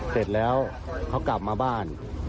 เสร็จแล้วเขากลับมาบ้าน